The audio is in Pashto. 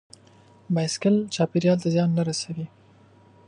بایسکل چاپېریال ته زیان نه رسوي.